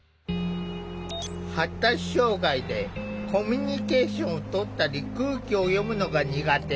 発達障害でコミュニケーションをとったり空気を読むのが苦手。